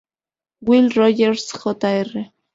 Will Rogers, Jr.